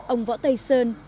ông võ tây sơn